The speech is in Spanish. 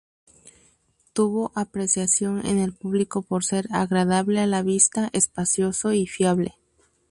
Tuvo apreciación en el público por ser agradable a la vista, espacioso y fiable.